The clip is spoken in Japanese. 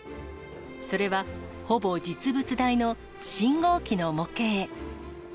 それは、ほぼ実物大の信号機の模型。